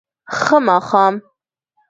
ښه ماښام